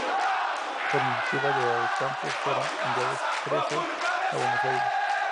Por iniciativa de Ocampo, fueron enviados presos a Buenos Aires.